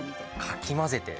かき混ぜて。